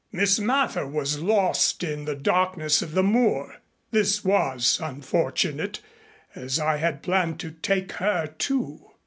Miss Mather we lost in the darkness of the moor. This was unfortunate, as I had planned to take her, too.